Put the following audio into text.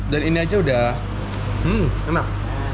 dan ini aja udah enak